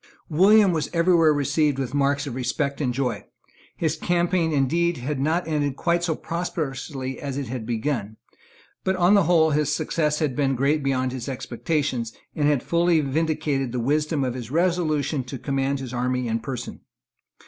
William was every where received with marks of respect and joy. His campaign indeed had not ended quite so prosperously as it had begun; but on the whole his success had been great beyond expectation, and had fully vindicated the wisdom of his resolution to command his army in person.